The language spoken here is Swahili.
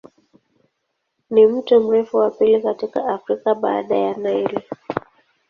Ni mto mrefu wa pili katika Afrika baada ya Nile.